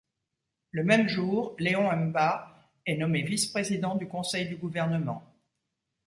Le même jour, Léon Mba est nommé vice-président du Conseil du gouvernement.